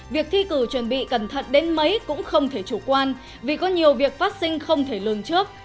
việc thi cử chuẩn bị cẩn thận đến mấy cũng không thể chủ quan vì có nhiều việc phát sinh không thể lường trước